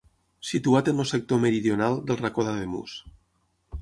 Situat en el sector meridional del Racó d'Ademús.